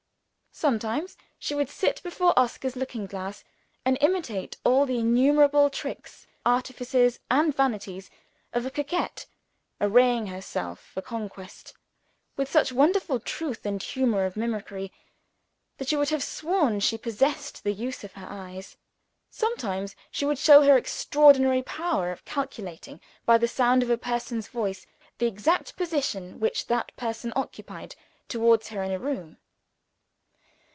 Sometimes, she would sit before Oscar's looking glass, and imitate all the innumerable tricks, artifices, and vanities of a coquette arraying herself for conquest with such wonderful truth and humour of mimicry, that you would have sworn she possessed the use of her eyes. Sometimes, she would show him her extraordinary power of calculating by the sound of a person's voice, the exact position which that person occupied towards her in a room.